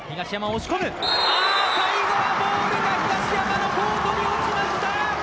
最後はボールが東山のコートに落ちました。